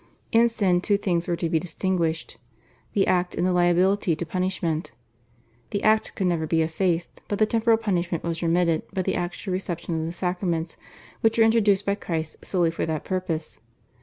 In sin two things were to be distinguished, the act and the liability to punishment. The act could never be effaced, but the temporal punishment was remitted by the actual reception of the sacraments, which were introduced by Christ solely for that purpose.